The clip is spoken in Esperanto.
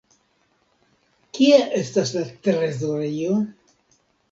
Kie estas la trezorejo?